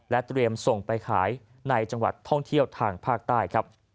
เตรียมส่งไปขายในจังหวัดท่องเที่ยวทางภาคใต้ครับ